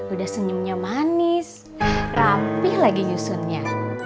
udah senyumnya manis rapih lagi nyusunnya